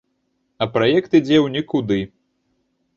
А праект ідзе ў нікуды.